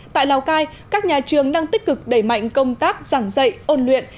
tại lào cai các nhà trường đang tích cực đẩy mạnh công tác giảng dạy ôn luyện